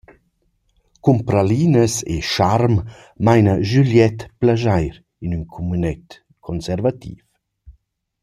Cun pralinas e scharm maina Juliette plaschair in ün cumünet conservativ.